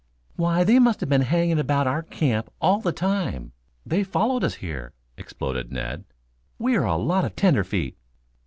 "Why, they must have been hanging about our camp all the time. They followed us here," exploded Ned. "We are a lot of tenderfeet."